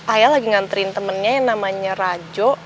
ayah lagi nganterin temennya yang namanya rajo